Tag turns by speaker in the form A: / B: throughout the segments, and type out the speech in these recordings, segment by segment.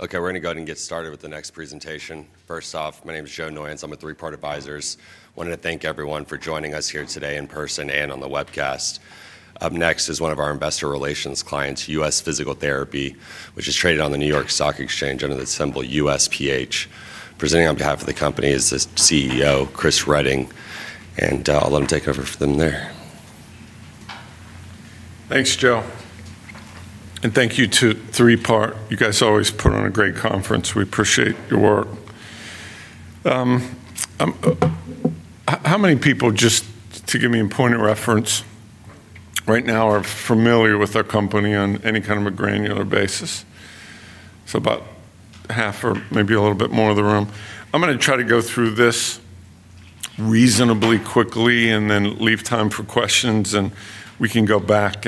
A: Okay, we're going to go ahead and get started with the next presentation. First off, my name is Joe Noyons. I'm with Three Part Advisors. I wanted to thank everyone for joining us here today in person and on the webcast. Up next is one of our investor relations clients, U.S. Physical Therapy, which is traded on the New York Stock Exchange under the symbol USPH. Presenting on behalf of the company is the CEO, Chris Reading, and I'll let him take over from there.
B: Thanks, Joe, and thank you to Three Part. You guys always put on a great conference. We appreciate your work. How many people, just to give me a point of reference, right now are familiar with our company on any kind of a granular basis? About half or maybe a little bit more of the room. I'm going to try to go through this reasonably quickly and then leave time for questions, and we can go back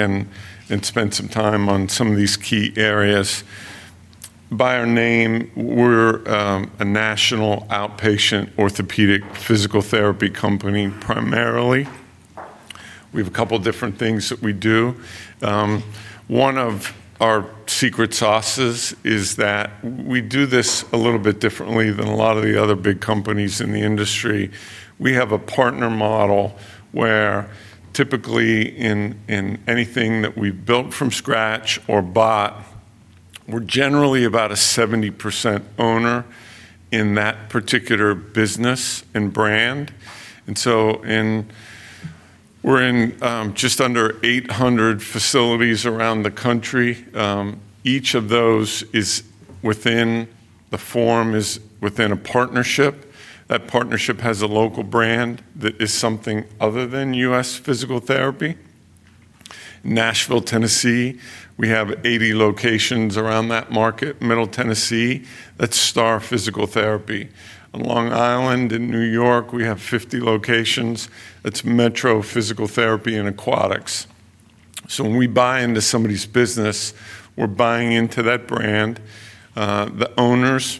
B: and spend some time on some of these key areas. By our name, we're a national outpatient orthopedic physical therapy company primarily. We have a couple of different things that we do. One of our secret sauces is that we do this a little bit differently than a lot of the other big companies in the industry. We have a partner model where typically in anything that we've built from scratch or bought, we're generally about a 70% owner in that particular business and brand. We're in just under 800 facilities around the country. Each of those is within the form, is within a partnership. That partnership has a local brand that is something other than U.S. Physical Therapy. In Nashville, Tennessee, we have 80 locations around that market. Middle Tennessee, that's Star Physical Therapy. On Long Island in New York, we have 50 locations. That's Metro Physical Therapy and Aquatics. When we buy into somebody's business, we're buying into that brand. The owners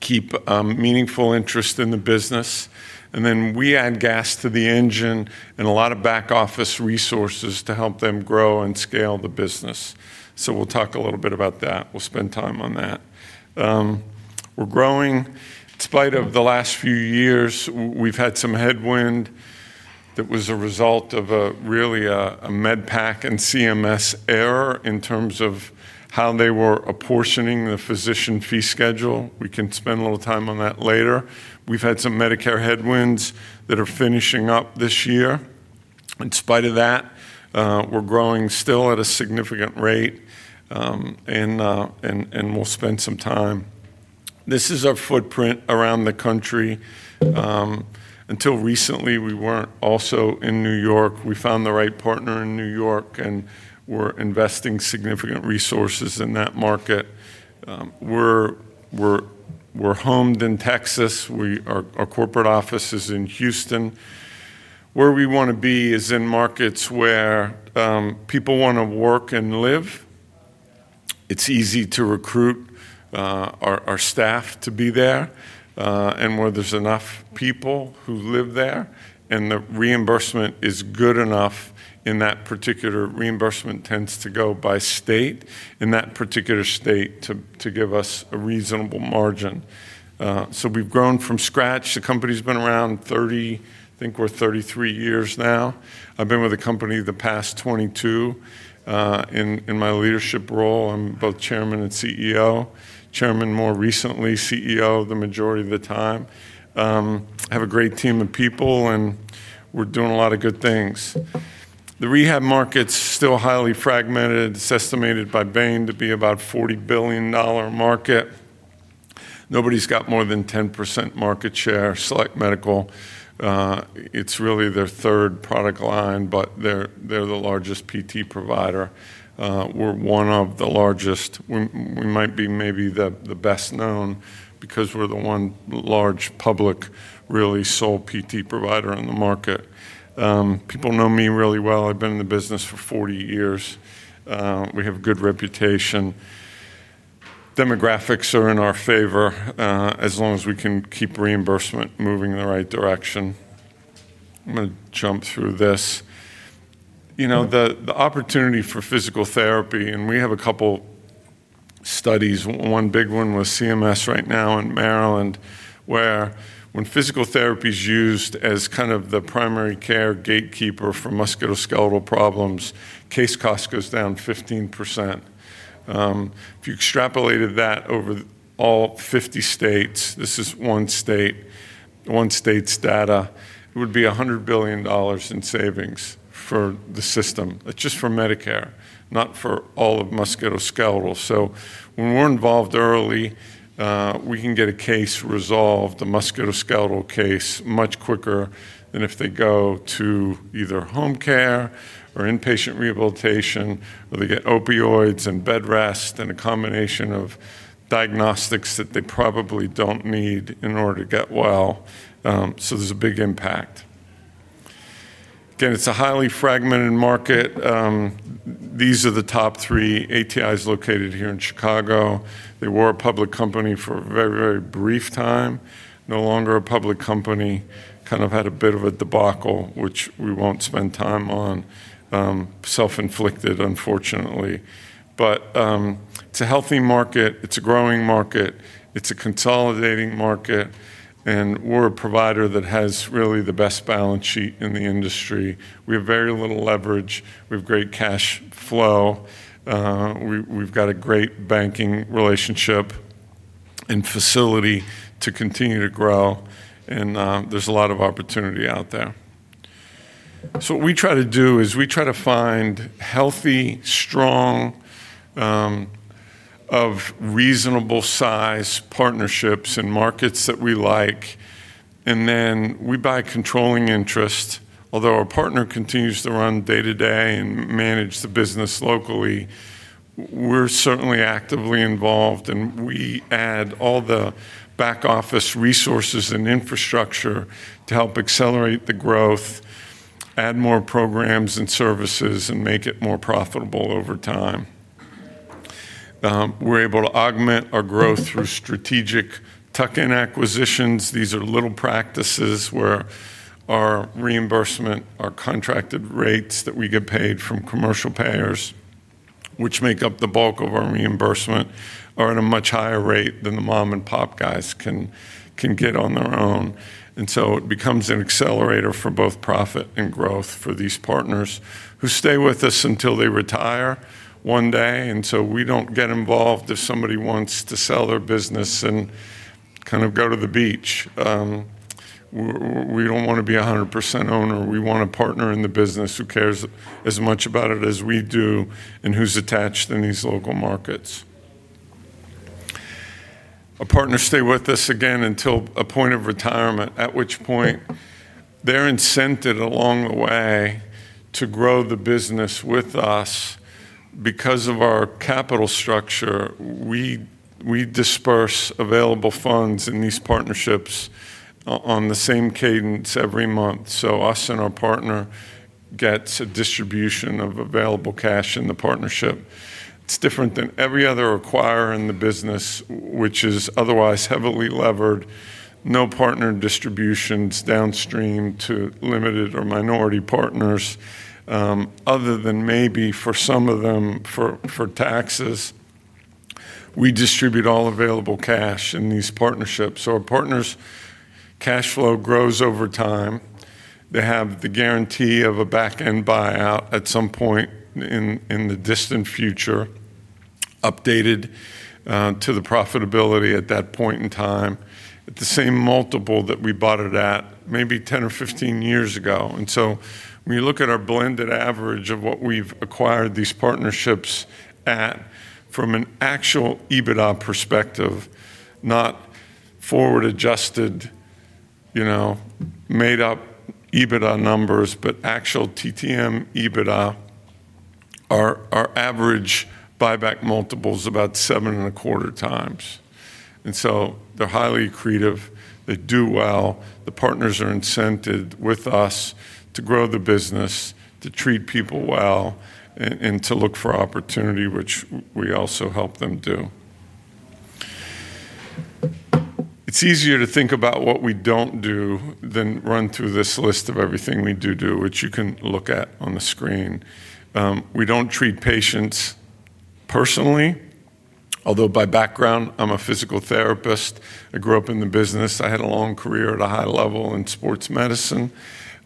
B: keep meaningful interest in the business, and then we add gas to the engine and a lot of back-office resources to help them grow and scale the business. We'll talk a little bit about that. We'll spend time on that. We're growing. In spite of the last few years, we've had some headwind that was a result of really a MedPAC and CMS error in terms of how they were apportioning the physician fee schedule. We can spend a little time on that later. We've had some Medicare headwinds that are finishing up this year. In spite of that, we're growing still at a significant rate, and we'll spend some time. This is our footprint around the country. Until recently, we weren't also in New York. We found the right partner in New York, and we're investing significant resources in that market. We're homed in Texas. Our corporate office is in Houston. Where we want to be is in markets where people want to work and live. It's easy to recruit our staff to be there, and where there's enough people who live there, and the reimbursement is good enough in that particular reimbursement tends to go by state in that particular state to give us a reasonable margin. We've grown from scratch. The company's been around 30, I think we're 33 years now. I've been with the company the past 22. In my leadership role, I'm both Chairman and CEO, Chairman more recently, CEO the majority of the time. I have a great team of people, and we're doing a lot of good things. The rehab market's still highly fragmented. It's estimated by Bain to be about a $40 billion market. Nobody's got more than 10% market share, Select Medical. It's really their third product line, but they're the largest PT provider. We're one of the largest. We might be maybe the best known because we're the one large public, really sole PT provider on the market. People know me really well. I've been in the business for 40 years. We have a good reputation. Demographics are in our favor as long as we can keep reimbursement moving in the right direction. I'm going to jump through this. The opportunity for physical therapy, and we have a couple of studies. One big one was CMS right now in Maryland, where when physical therapy is used as kind of the primary care gatekeeper for musculoskeletal problems, case cost goes down 15%. If you extrapolated that over all 50 states, this is one state, one state's data, it would be $100 billion in savings for the system, just for Medicare, not for all of musculoskeletal. When we're involved early, we can get a case resolved, the musculoskeletal case, much quicker than if they go to either home care or inpatient rehabilitation, or they get opioids and bed rest and a combination of diagnostics that they probably don't need in order to get well. There's a big impact. Again, it's a highly fragmented market. These are the top three. ATI is located here in Chicago. They were a public company for a very, very brief time, no longer a public company, kind of had a bit of a debacle, which we won't spend time on, self-inflicted, unfortunately. It's a healthy market. It's a growing market. It's a consolidating market. We're a provider that has really the best balance sheet in the industry. We have very little leverage. We have great cash flow. We've got a great banking relationship and facility to continue to grow. There's a lot of opportunity out there. What we try to do is we try to find healthy, strong, of reasonable size partnerships and markets that we like. We buy controlling interest, although our partner continues to run day to day and manage the business locally. We're certainly actively involved, and we add all the back-office resources and infrastructure to help accelerate the growth, add more programs and services, and make it more profitable over time. We're able to augment our growth through strategic tuck-in acquisitions. These are little practices where our reimbursement, our contracted rates that we get paid from commercial payers, which make up the bulk of our reimbursement, are at a much higher rate than the mom and pop guys can get on their own. It becomes an accelerator for both profit and growth for these partners who stay with us until they retire one day. We don't get involved if somebody wants to sell their business and kind of go to the beach. We don't want to be a 100% owner. We want a partner in the business who cares as much about it as we do and who's attached in these local markets. Our partners stay with us again until a point of retirement, at which point they're incented along the way to grow the business with us because of our capital structure. We disperse available funds in these partnerships on the same cadence every month. Us and our partner get a distribution of available cash in the partnership. It's different than every other acquirer in the business, which is otherwise heavily levered. No partner distributions downstream to limited or minority partners, other than maybe for some of them for taxes. We distribute all available cash in these partnerships. Our partners' cash flow grows over time. They have the guarantee of a backend buyout at some point in the distant future, updated to the profitability at that point in time, at the same multiple that we bought it at maybe 10 or 15 years ago. When you look at our blended average of what we've acquired these partnerships at from an actual EBITDA perspective, not forward-adjusted, made-up EBITDA numbers, but actual TTM EBITDA, our average buyback multiples about 7.25x. They're highly accretive. They do well. The partners are incented with us to grow the business, to treat people well, and to look for opportunity, which we also help them do. It's easier to think about what we don't do than run through this list of everything we do do, which you can look at on the screen. We don't treat patients personally, although by background, I'm a physical therapist. I grew up in the business. I had a long career at a high level in sports medicine.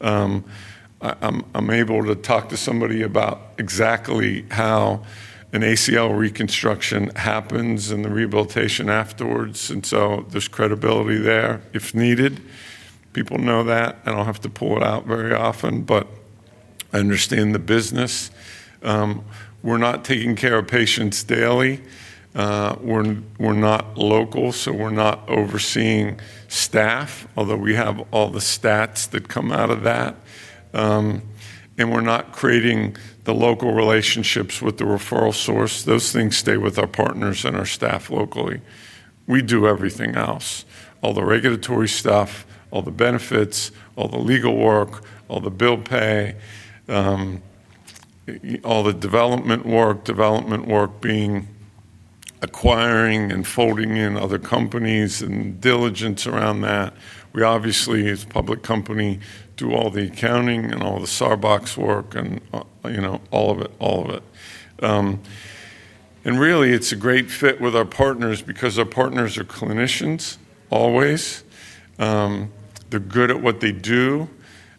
B: I'm able to talk to somebody about exactly how an ACL reconstruction happens and the rehabilitation afterwards. There's credibility there if needed. People know that. I don't have to pull it out very often, but I understand the business. We're not taking care of patients daily. We're not local, so we're not overseeing staff, although we have all the stats that come out of that. We're not creating the local relationships with the referral source. Those things stay with our partners and our staff locally. We do everything else, all the regulatory stuff, all the benefits, all the legal work, all the bill pay, all the development work, development work being acquiring and folding in other companies and diligence around that. We obviously, as a public company, do all the accounting and all the Starbucks work, all of it. It's a great fit with our partners because our partners are clinicians always. They're good at what they do.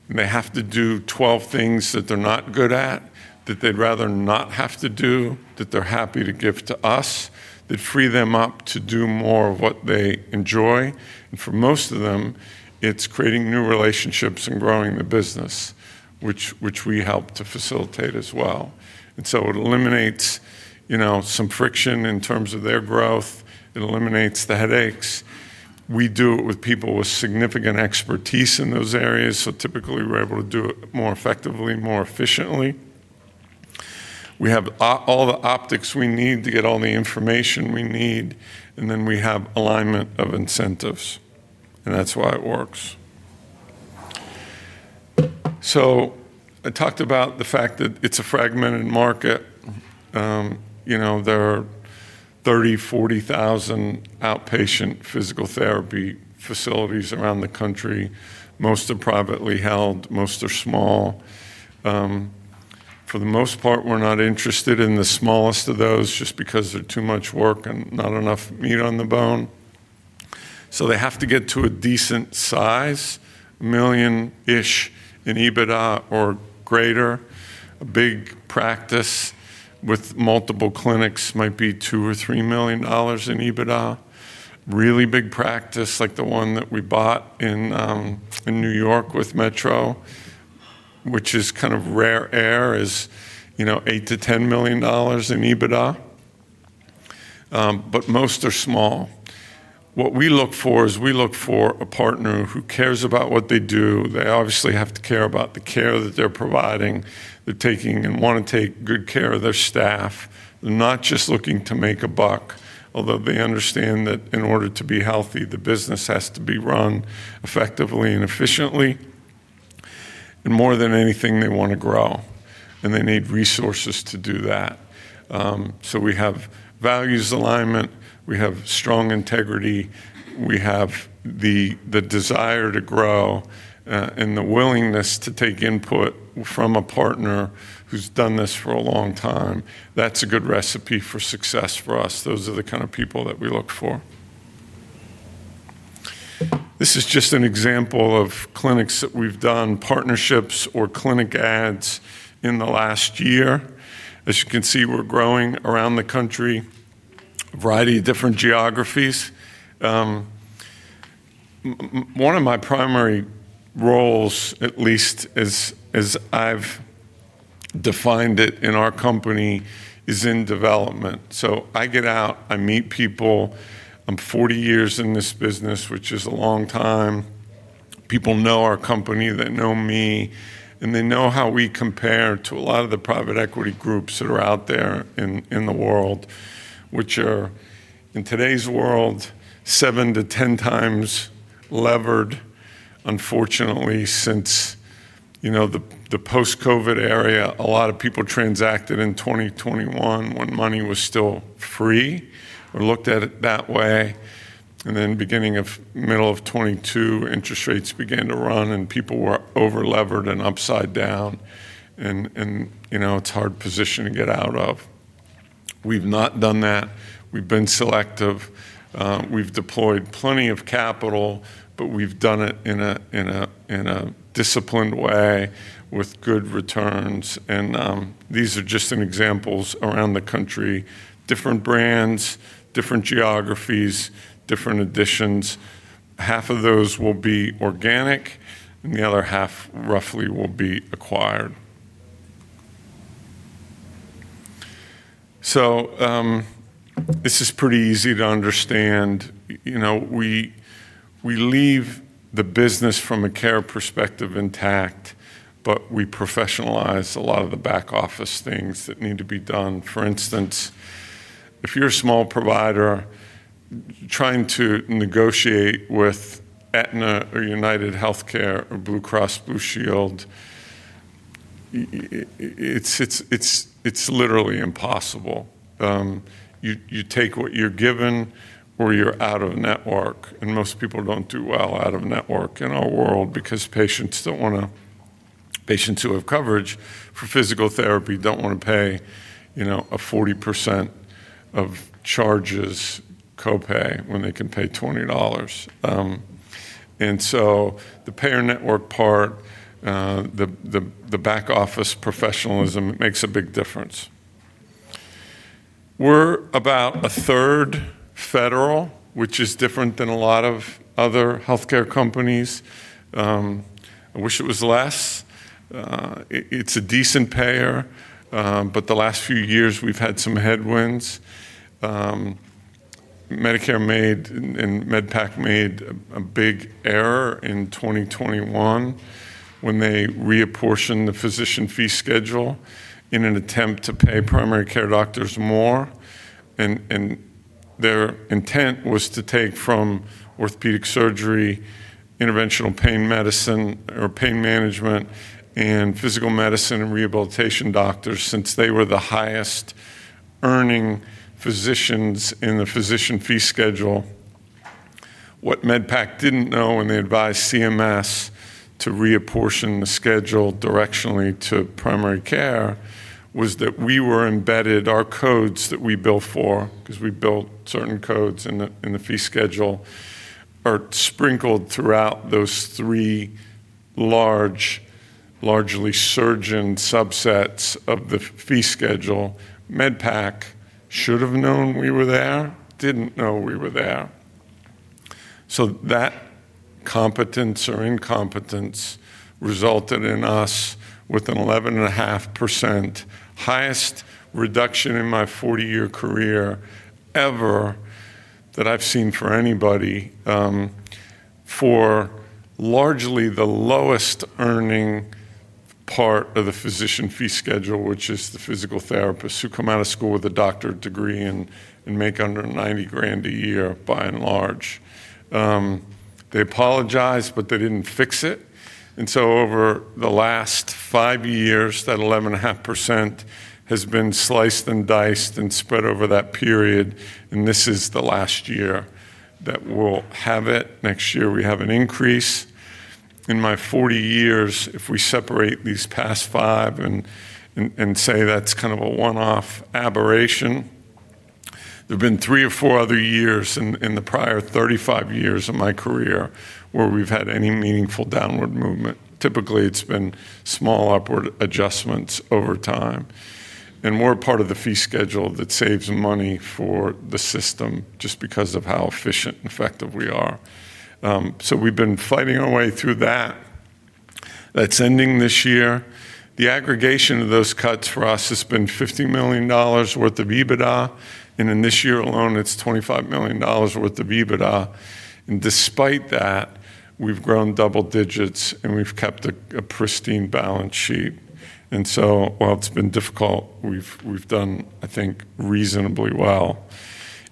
B: They have to do 12 things that they're not good at, that they'd rather not have to do, that they're happy to give to us. They free them up to do more of what they enjoy. For most of them, it's creating new relationships and growing the business, which we help to facilitate as well. It eliminates some friction in terms of their growth. It eliminates the headaches. We do it with people with significant expertise in those areas. Typically, we're able to do it more effectively, more efficiently. We have all the optics we need to get all the information we need. We have alignment of incentives. That's why it works. I talked about the fact that it's a fragmented market. There are 30,000, 40,000 outpatient physical therapy facilities around the country. Most are privately held. Most are small. For the most part, we're not interested in the smallest of those just because they're too much work and not enough meat on the bone. They have to get to a decent size, a million-ish in EBITDA or greater. A big practice with multiple clinics might be $2 million or $3 million in EBITDA. Really big practice, like the one that we bought in New York with Metro, which is kind of rare air, is, you know, $8 million-$10 million in EBITDA. Most are small. What we look for is we look for a partner who cares about what they do. They obviously have to care about the care that they're providing. They're taking and want to take good care of their staff. They're not just looking to make a buck, although they understand that in order to be healthy, the business has to be run effectively and efficiently. More than anything, they want to grow, and they need resources to do that. We have values alignment. We have strong integrity. We have the desire to grow and the willingness to take input from a partner who's done this for a long time. That's a good recipe for success for us. Those are the kind of people that we look for. This is just an example of clinics that we've done partnerships or clinic adds in the last year. As you can see, we're growing around the country, a variety of different geographies. One of my primary roles, at least as I've defined it in our company, is in development. I get out, I meet people. I'm 40 years in this business, which is a long time. People know our company. They know me, and they know how we compare to a lot of the private equity groups that are out there in the world, which are in today's world 7x-10x levered. Unfortunately, since the post-COVID era, a lot of people transacted in 2021 when money was still free. We looked at it that way. At the beginning of the middle of 2022, interest rates began to run, and people were over-levered and upside down. It's a hard position to get out of. We've not done that. We've been selective. We've deployed plenty of capital, but we've done it in a disciplined way with good returns. These are just examples around the country, different brands, different geographies, different additions. Half of those will be organic, and the other half roughly will be acquired. This is pretty easy to understand. We leave the business from a care perspective intact, but we professionalize a lot of the back-office things that need to be done. For instance, if you're a small provider trying to negotiate with Aetna or UnitedHealthcare or Blue Cross Blue Shield, it's literally impossible. You take what you're given or you're out of network. Most people don't do well out of network in our world because patients don't want to, patients who have coverage for physical therapy don't want to pay, you know, a 40% of charges copay when they can pay $20. The payer network part, the back-office professionalism, it makes a big difference. We're about a third federal, which is different than a lot of other healthcare companies. I wish it was less. It's a decent payer, but the last few years we've had some headwinds. Medicare and MedPAC made a big error in 2021 when they reapportioned the physician fee schedule in an attempt to pay primary care doctors more. Their intent was to take from orthopedic surgery, interventional pain medicine or pain management, and physical medicine and rehabilitation doctors since they were the highest earning physicians in the physician fee schedule. What MedPAC didn't know when they advised CMS to reapportion the schedule directionally to primary care was that we were embedded, our codes that we bill for because we built certain codes in the fee schedule are sprinkled throughout those three large, largely surgeon subsets of the fee schedule. MedPAC should have known we were there, didn't know we were there. That competence or incompetence resulted in us with an 11.5% highest reduction in my 40-year career ever that I've seen for anybody for largely the lowest earning part of the physician fee schedule, which is the physical therapists who come out of school with a doctorate degree and make under $90,000 a year by and large. They apologized, but they didn't fix it. Over the last five years, that 11.5% has been sliced and diced and spread over that period. This is the last year that we'll have it. Next year, we have an increase. In my 40 years, if we separate these past five and say that's kind of a one-off aberration, there have been three or four other years in the prior 35 years of my career where we've had any meaningful downward movement. Typically, it's been small upward adjustments over time. We're part of the fee schedule that saves money for the system just because of how efficient and effective we are. We've been fighting our way through that. That's ending this year. The aggregation of those cuts for us has been $50 million worth of EBITDA. In this year alone, it's $25 million worth of EBITDA. Despite that, we've grown double digits, and we've kept a pristine balance sheet. While it's been difficult, we've done, I think, reasonably well.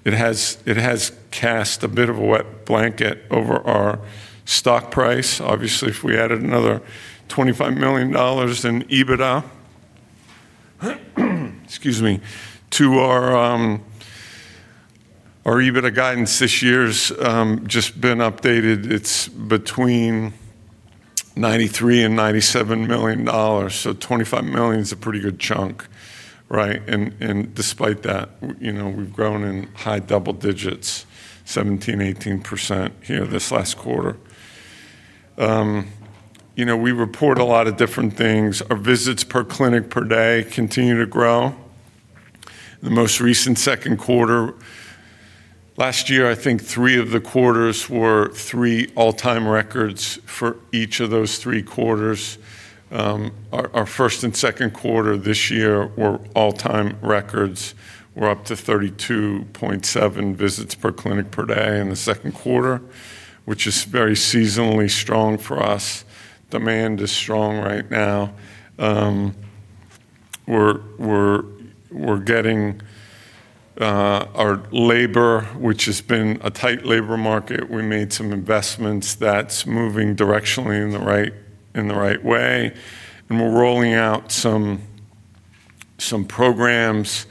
B: It has cast a bit of a wet blanket over our stock price. Obviously, if we added another $25 million in EBITDA to our EBITDA guidance, this year's just been updated. It's between $93 million and $97 million. $25 million is a pretty good chunk, right? Despite that, we've grown in high double digits, 17%, 18% here this last quarter. We report a lot of different things. Our visits per clinic per day continue to grow. The most recent second quarter last year, I think three of the quarters were three all-time records for each of those three quarters. Our first and second quarter this year were all-time records. We're up to 32.7 visits per clinic per day in the second quarter, which is very seasonally strong for us. Demand is strong right now. We're getting our labor, which has been a tight labor market. We made some investments that's moving directionally in the right way. We're rolling out some programs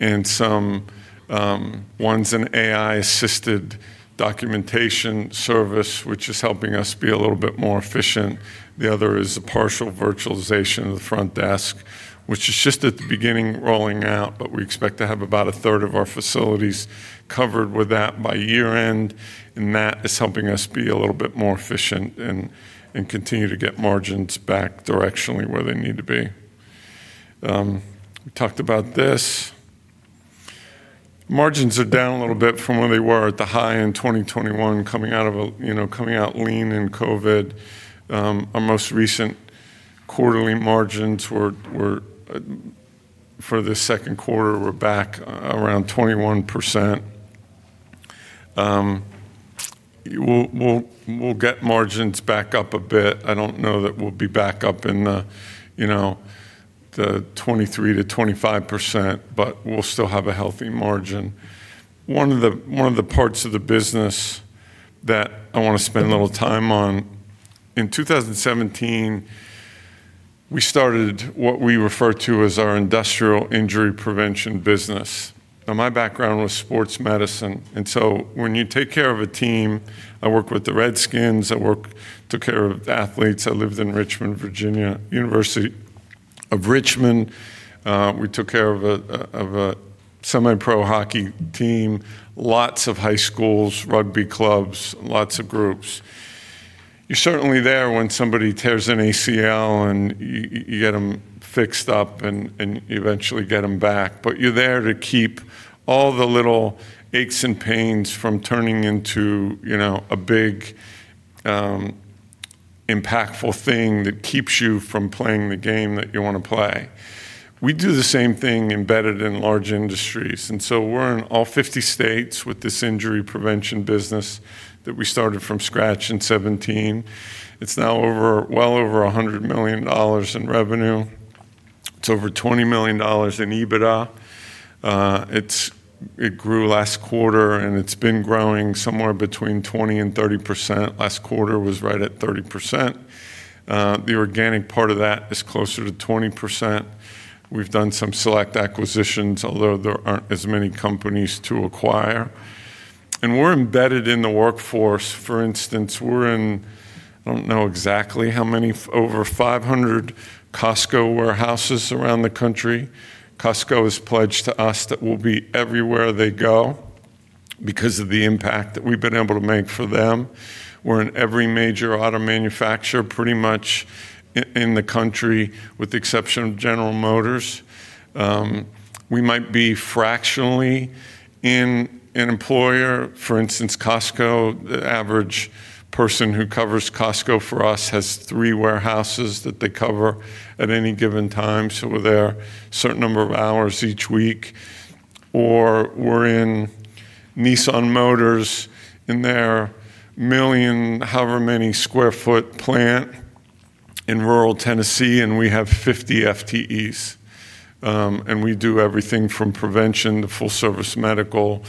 B: and some ones in AI-assisted documentation service, which is helping us be a little bit more efficient. The other is a partial virtualization of the front desk, which is just at the beginning rolling out, but we expect to have about a third of our facilities covered with that by year-end. That is helping us be a little bit more efficient and continue to get margins back directionally where they need to be. We talked about this. Margins are down a little bit from where they were at the high in 2021, coming out lean in COVID. Our most recent quarterly margins were for the second quarter back around 21%. We'll get margins back up a bit. I don't know that we'll be back up in the 23% to 25%, but we'll still have a healthy margin. One of the parts of the business that I want to spend a little time on, in 2017, we started what we refer to as our industrial injury prevention business. My background was sports medicine. When you take care of a team, I worked with the Redskins. I took care of athletes. I lived in Richmond, Virginia, University of Richmond. We took care of a semi-pro hockey team, lots of high schools, rugby clubs, lots of groups. You're certainly there when somebody tears an ACL and you get them fixed up and eventually get them back. You're there to keep all the little aches and pains from turning into a big impactful thing that keeps you from playing the game that you want to play. We do the same thing embedded in large industries. We're in all 50 states with this injury prevention business that we started from scratch in 2017. It's now well over $100 million in revenue. It's over $20 million in EBITDA. It grew last quarter, and it's been growing somewhere between 20% and 30%. Last quarter was right at 30%. The organic part of that is closer to 20%. We've done some select acquisitions, although there aren't as many companies to acquire. We're embedded in the workforce. For instance, we're in, I don't know exactly how many, over 500 Costco warehouses around the country. Costco has pledged to us that we'll be everywhere they go because of the impact that we've been able to make for them. We're in every major auto manufacturer pretty much in the country, with the exception of General Motors. We might be fractionally in an employer. For instance, Costco, the average person who covers Costco for us has three warehouses that they cover at any given time. We're there a certain number of hours each week. We're in Nissan Motors in their million, however many square foot plant in rural Tennessee, and we have 50 FTEs. We do everything from prevention to full-service medical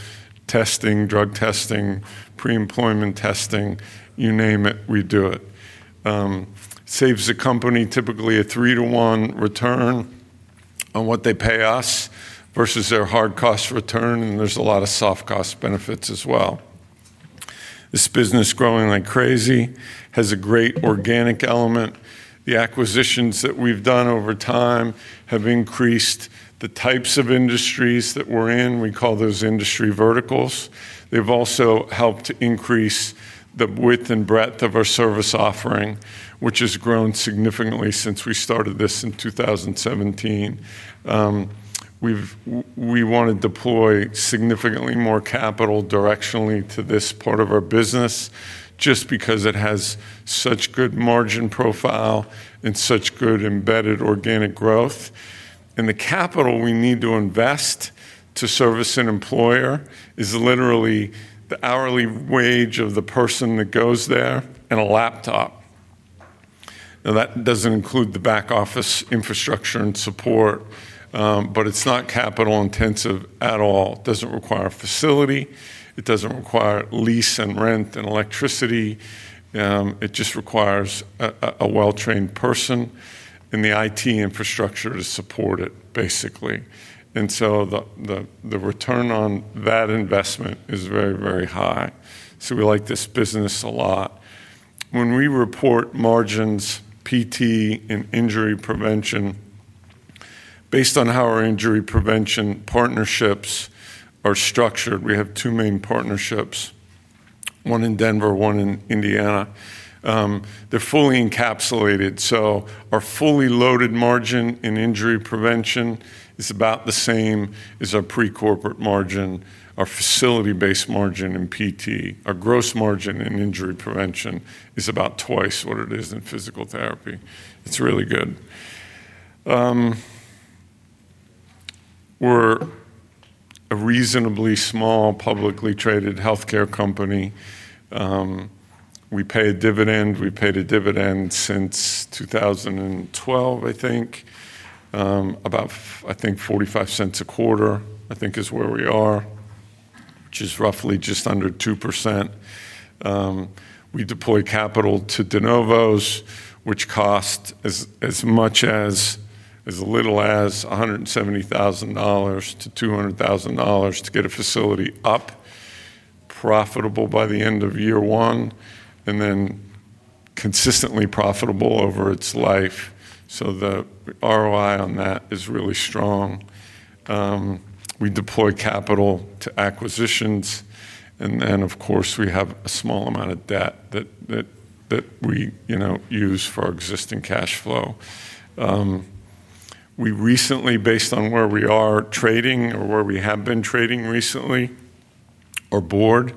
B: testing, drug testing, pre-employment testing, you name it, we do it. Saves a company typically a three-to-one return on what they pay us versus their hard cost return. There's a lot of soft cost benefits as well. This business is growing like crazy, has a great organic element. The acquisitions that we've done over time have increased the types of industries that we're in. We call those industry verticals. They've also helped to increase the width and breadth of our service offering, which has grown significantly since we started this in 2017. We want to deploy significantly more capital directionally to this part of our business just because it has such good margin profile and such good embedded organic growth. The capital we need to invest to service an employer is literally the hourly wage of the person that goes there and a laptop. That doesn't include the back-office infrastructure and support, but it's not capital intensive at all. It doesn't require a facility. It doesn't require lease and rent and electricity. It just requires a well-trained person and the IT infrastructure to support it, basically. The return on that investment is very, very high. We like this business a lot. When we report margins, PT, and injury prevention, based on how our injury prevention partnerships are structured, we have two main partnerships, one in Denver, one in Indiana. They're fully encapsulated. Our fully loaded margin in injury prevention is about the same as our pre-corporate margin, our facility-based margin in PT. Our gross margin in injury prevention is about twice what it is in physical therapy. It's really good. We're a reasonably small publicly traded healthcare company. We pay a dividend. We paid a dividend since 2012, I think, about, I think, $0.45 a quarter, I think is where we are, which is roughly just under 2%. We deploy capital to de novo clinic openings, which cost as much as as little as $170,000-$200,000 to get a facility up profitable by the end of year one, and then consistently profitable over its life. The ROI on that is really strong. We deploy capital to acquisitions, and then, of course, we have a small amount of debt that we use for our existing cash flow. Recently, based on where we are trading or where we have been trading recently, our board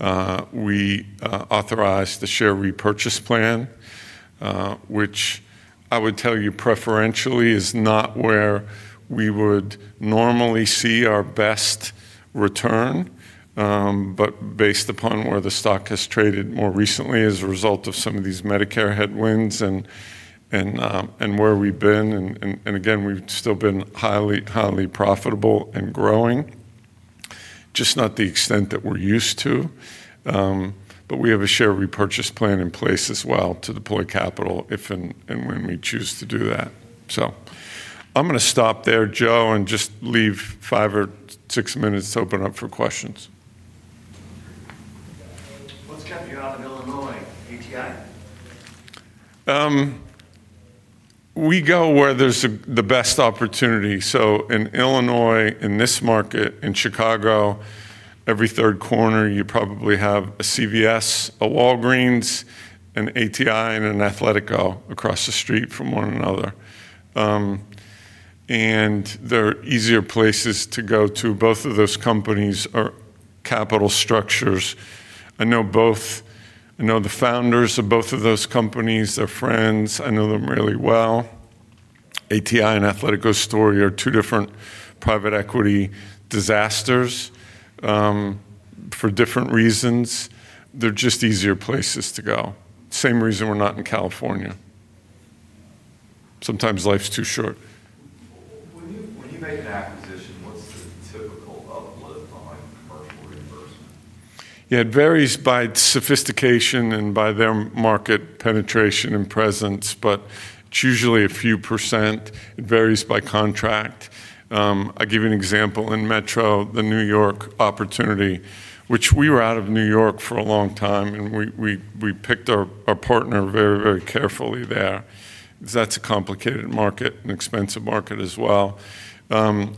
B: authorized the share repurchase plan, which I would tell you preferentially is not where we would normally see our best return, but based upon where the stock has traded more recently as a result of some of these Medicare headwinds and where we've been. We've still been highly, highly profitable and growing, just not the extent that we're used to. We have a share repurchase plan in place as well to deploy capital if and when we choose to do that. I'm going to stop there, Joe, and just leave five or six minutes to open up for questions.
C: Let's jump in on the Illinois ATI.
B: We go where there's the best opportunity. In Illinois, in this market, in Chicago, every third corner, you probably have a CVS, a Walgreens, an ATI, and an Athletico across the street from one another. They're easier places to go to. Both of those companies are capital structures. I know both. I know the founders of both of those companies. They're friends. I know them really well. ATI and Athletico story are two different private equity disasters for different reasons. They're just easier places to go. Same reason we're not in California. Sometimes life's too short.
C: When you make an acquisition, what's the typical upload time for reimbursement?
B: Yeah, it varies by sophistication and by their market penetration and presence, but it's usually a few percent. It varies by contract. I'll give you an example. In Metro, the New York opportunity, which we were out of New York for a long time, and we picked our partner very, very carefully there, because that's a complicated market and expensive market as well.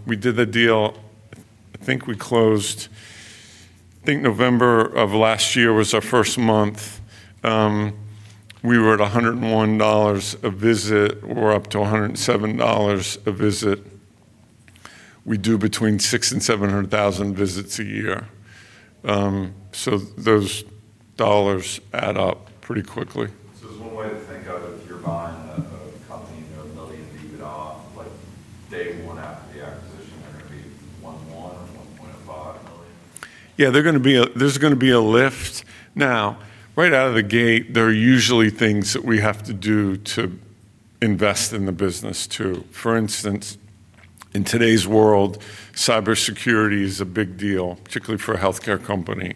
B: We did a deal. I think we closed, I think November of last year was our first month. We were at $101 a visit. We're up to $107 a visit. We do between 600,000 and 700,000 visits a year. Those dollars add up pretty quickly.
C: I'll leave it off. What day one after the acquisition, that would be 1/1, 1.1, one point what?
B: Yeah, there's going to be a lift. Now, right out of the gate, there are usually things that we have to do to invest in the business too. For instance, in today's world, cybersecurity is a big deal, particularly for a healthcare company.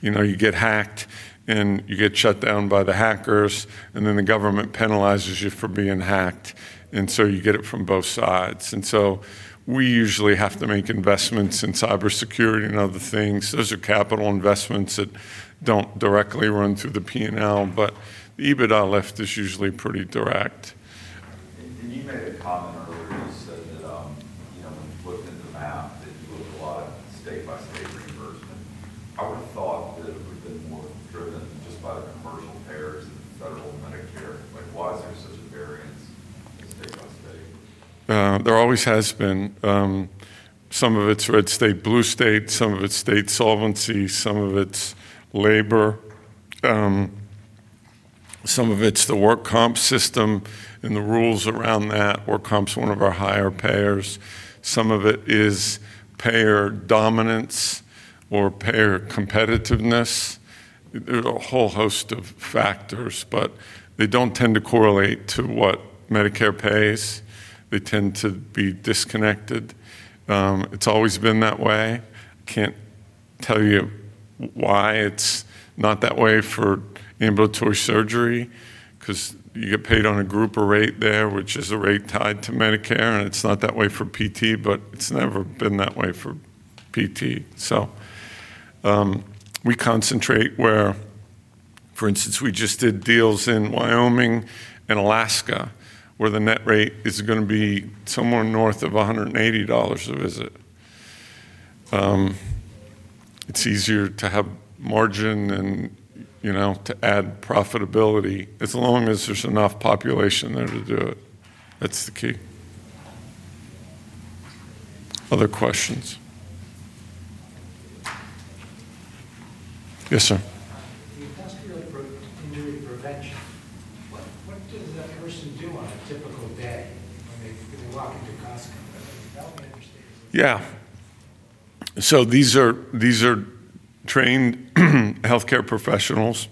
B: You know, you get hacked and you get shut down by the hackers, and then the government penalizes you for being hacked. You get it from both sides. We usually have to make investments in cybersecurity and other things. Those are capital investments that don't directly run through the P&L, but the EBITDA lift is usually pretty direct.
C: Did you have a comment on this? You know, I'm afflicted the fact that you do a lot of state-by-state reimbursement. I would have thought that we'd been more through that just by the commercial payers and federal Medicare wasn't.
B: There always has been. Some of it's red state, blue state, some of it's state solvency, some of it's labor, some of it's the work comp system and the rules around that. Work comp is one of our higher payers. Some of it is payer dominance or payer competitiveness. There's a whole host of factors, but they don't tend to correlate to what Medicare pays. They tend to be disconnected. It's always been that way. I can't tell you why it's not that way for ambulatory surgery, because you get paid on a grouper rate there, which is a rate tied to Medicare, and it's not that way for PT, but it's never been that way for PT. We concentrate where, for instance, we just did deals in Wyoming and Alaska where the net rate is going to be somewhere north of $180 a visit. It's easier to have margin and, you know, to add profitability as long as there's enough population there to do it. That's the key. Other questions? Yes, sir.
C: Do you foster your own protein in prevention? What does that person do on a typical day when they walk into Costco?
B: Yeah. These are trained healthcare professionals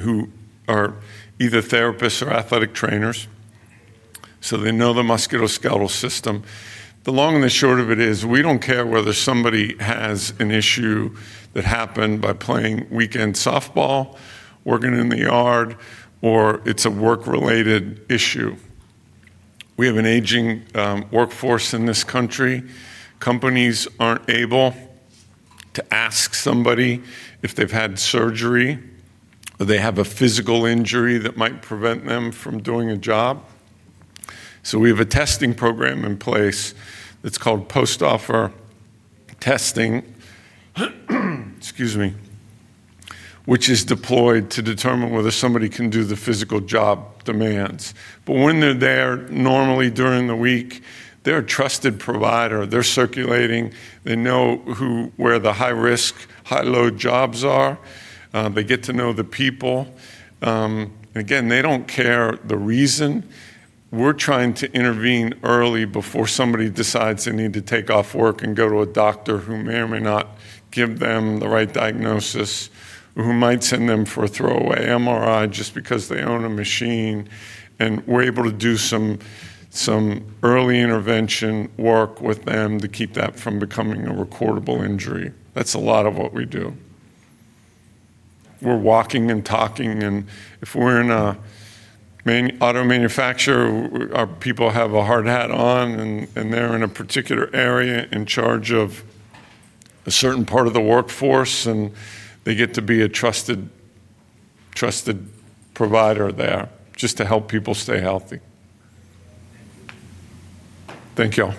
B: who are either therapists or athletic trainers. They know the musculoskeletal system. The long and the short of it is we don't care whether somebody has an issue that happened by playing weekend softball, working in the yard, or it's a work-related issue. We have an aging workforce in this country. Companies aren't able to ask somebody if they've had surgery or they have a physical injury that might prevent them from doing a job. We have a testing program in place that's called post-offer testing, which is deployed to determine whether somebody can do the physical job demands. When they're there, normally during the week, they're a trusted provider. They're circulating. They know where the high-risk, high-load jobs are. They get to know the people. Again, they don't care the reason. We're trying to intervene early before somebody decides they need to take off work and go to a doctor who may or may not give them the right diagnosis, who might send them for a throwaway MRI just because they own a machine. We're able to do some early intervention work with them to keep that from becoming a recordable injury. That's a lot of what we do. We're walking and talking. If we're in an auto manufacturer, our people have a hard hat on and they're in a particular area in charge of a certain part of the workforce and they get to be a trusted provider there just to help people stay healthy. Thank you all.